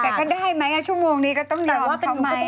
แต่ก็ได้ไหมชั่วโมงนี้ก็ต้องยอมว่าทำไม